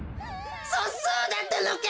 そそうだったのか！